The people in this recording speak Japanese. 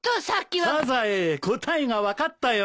サザエ答えが分かったよ。